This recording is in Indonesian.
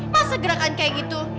masa gerakan kayak gitu